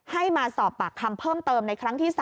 ให้มาสอบปากคำเพิ่มเติมในครั้งที่๓